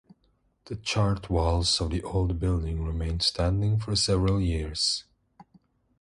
The charred walls of the old building remained standing for several years.